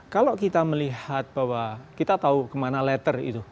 kalau kita melihat bahwa kita tahu kemana letter itu